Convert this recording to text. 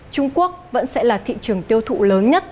trung quốc vẫn sẽ là thị trường tiêu thụ lớn nhất